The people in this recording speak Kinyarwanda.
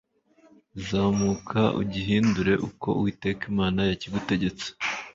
zamuka ugihindure uko uwiteka imana yakigutegetse